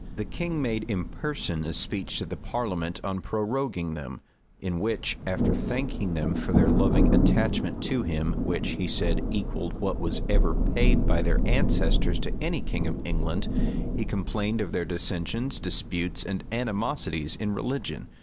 The king made in person a speech to the parliament on proroguing them; in which, after thanking them for their loving attachment to him, which, he said, equalled what was ever paid by their ancestors to any king of England, he complained of their dissensions, disputes, and animosities in religion.